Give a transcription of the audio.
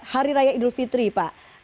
hari raya idul fitri pak